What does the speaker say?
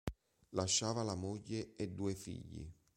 Lasciava la moglie e due figli.